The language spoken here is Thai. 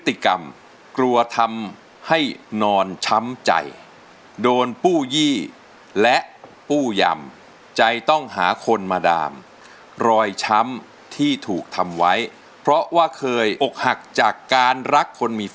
หลังจากท่อนฮุกในเพลงนี้นะครับ